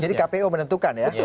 jadi kpu menentukan ya